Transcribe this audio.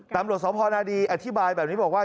ตำรวจสพนาดีอธิบายแบบนี้บอกว่า